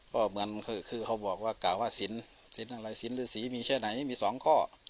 ก็เหมือนคือเขาบอกว่ากล่าวว่าศิลป์ศิลป์อะไรศิลป์หรือศรีมีแช่ไหนมีสองข้อ